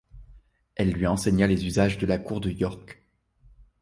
Elle lui enseigna les usages de la cour de York.